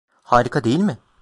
Harika değil mi?